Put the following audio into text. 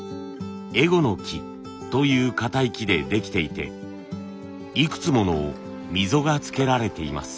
エゴノキというかたい木でできていていくつもの溝がつけられています。